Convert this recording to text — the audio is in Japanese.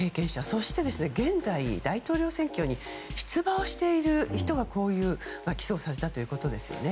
そして、現在、大統領選挙に出馬をしている人がこういう起訴をされたということですよね。